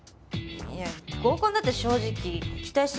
いや合コンだって正直期待してないよ。